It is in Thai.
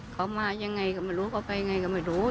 เขามาอย่างไรก็ไม่รู้เขาไปอย่างไรก็ไม่รู้